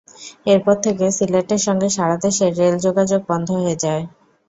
এরপর থেকে সিলেটের সঙ্গে সারা দেশের রেল যোগাযোগ বন্ধ হয়ে যায়।